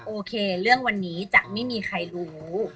โอเคเรื่องวันนี้จะไม่มีใครรู้